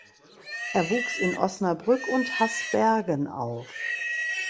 Er wuchs in Osnabrück und Hasbergen auf.